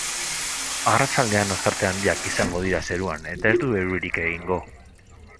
Arratsaldean, ostarte handiak izango dira zeruan eta ez du euririk egingo.